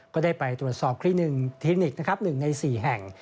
ก็ได้ไปตรวจสอบคลิกนิกหนึ่งในสี่แห่ง